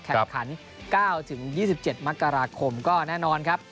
แข่งขัน๙๒๗มกราคมก็แน่นอนครับ